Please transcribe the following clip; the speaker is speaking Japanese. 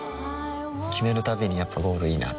決めるたびにやっぱゴールいいなってふん